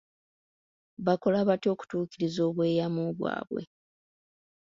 Baakola batya okutuukiriza obweyamu bwabwe?